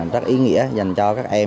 rất ý nghĩa dành cho các em